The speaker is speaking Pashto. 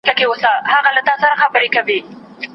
څېړونکی د موضوع اړوند شواهد راټولوي.